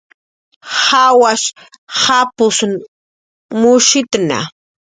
Jawash japus mushitna